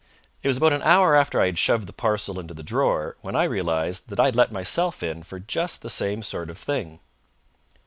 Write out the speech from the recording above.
It was about an hour after I had shoved the parcel into the drawer when I realised that I had let myself in for just the same sort of thing.